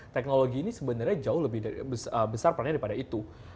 teknologi ini sebenarnya jauh lebih besar perannya daripada itu